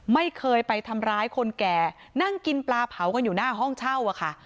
ไม่เคยไปทำร้ายคนแก่นั่งกินปลาเผากันอยู่หน้าห้องเช่าอะค่ะ